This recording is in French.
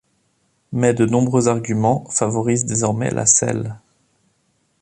Mais de nombreux arguments favorisent désormais la Selle.